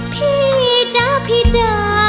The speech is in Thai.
พี่เจอพี่เจอ